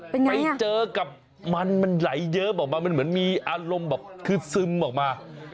ไปเจอกับมันมันไหลเยิ้มออกมามันเหมือนมีอารมณ์แบบคือซึมออกมา